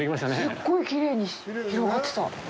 すっごいきれいに広がってた。